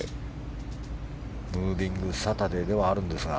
ムービングサタデーではあるんですが。